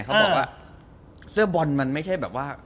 เขาบอกว่าเสื้อบอลมันไม่ใช่แบบว่า